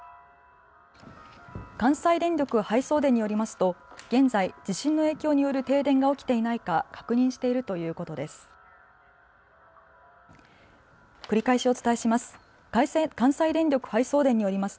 関西電力送配電によりますと現在、地震の影響による停電が起きていないか確認しているということです。